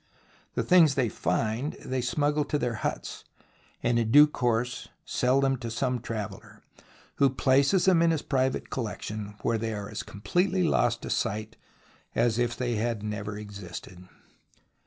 The things they find, they smuggle to their huts, and in due course sell to some traveller, who places them in his private collection, where they are as completely lost to sight as if they had never existed.